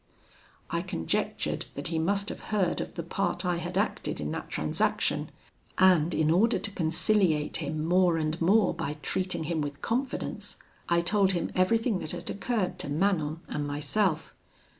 I conjectured that he must have heard of the part I had acted in that transaction, and in order to conciliate him more and more by treating him with confidence, I told him everything that had occurred to Manon and myself.